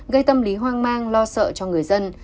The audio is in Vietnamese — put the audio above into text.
gây tâm lý hoang mang lo sợ cho người dân